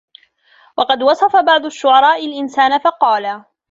وَقَدْ وَصَفَ بَعْضُ الشُّعَرَاءِ الْإِنْسَانَ فَقَالَ